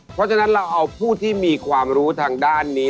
เพราะฉะนั้นเราเอาผู้ที่มีความรู้ทางด้านนี้